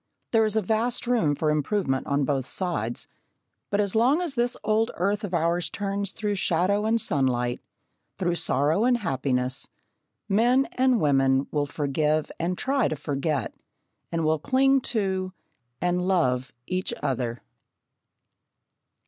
There is a vast room for improvement on both sides, but as long as this old earth of ours turns through shadow and sunlight, through sorrow and happiness, men and women will forgive and try to forget, and will cling to, and love each other.